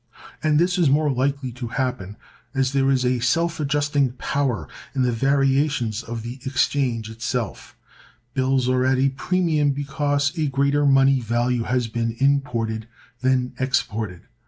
And this is the more likely to happen, as there is a self adjusting power in the variations of the exchange itself. Bills are at a premium because a greater money value has been imported than exported.